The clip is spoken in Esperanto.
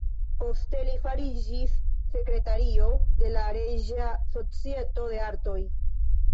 Poste li fariĝis sekretario de la Reĝa Societo de Artoj.